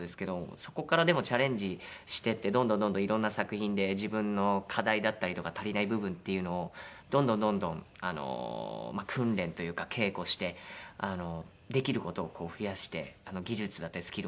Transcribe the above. そこからでもチャレンジしていってどんどんどんどんいろんな作品で自分の課題だったりとか足りない部分っていうのをどんどんどんどん訓練というか稽古してできる事を増やして技術だったりスキルを。